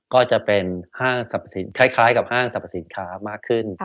ก็จะคล้ายกับห้างสรรพสินค้ามากขึ้น